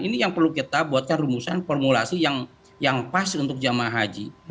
ini yang perlu kita buatkan rumusan formulasi yang pas untuk jamaah haji